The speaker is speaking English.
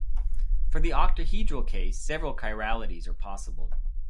For the octahedral case, several chiralities are possible.